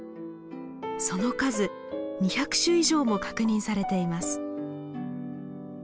その数２００種以上も確認されています。